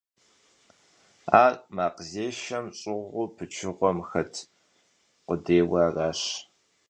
Ar makhzêşşem ş'ığuu pıçığuem xet khudêyue araş.